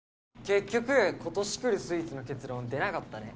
結局今年くるスイーツの結論出なかったね